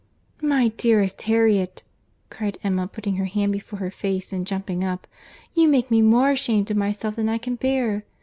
"My dearest Harriet!" cried Emma, putting her hand before her face, and jumping up, "you make me more ashamed of myself than I can bear.